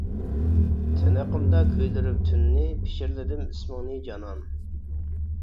تىنىقىمدا كۆيدۈرۈپ تۈننى، پىچىرلىدىم ئىسمىڭنى جانان.